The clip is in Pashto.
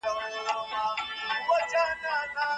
درسونه د انلاين کورس له لارې زده کوونکو ته وړاندې سوي دي.